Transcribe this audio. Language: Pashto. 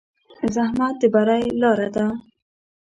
زحمت د بری لاره ده.